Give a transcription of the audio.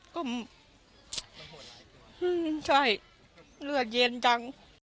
ก็ใช่เลือดเย็นจัง